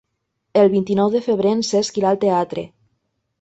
El vint-i-nou de febrer en Cesc irà al teatre.